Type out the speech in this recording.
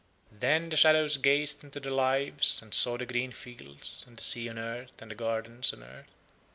Then the shadows gazed into the Lives and saw the green fields and the sea and earth and the gardens of earth.